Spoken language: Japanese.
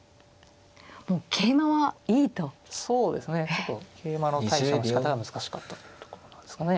ちょっと桂馬の対処のしかたが難しかったというところなんですかね。